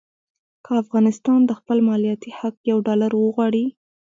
که افغانستان د خپل مالیاتي حق یو ډالر وغواړي.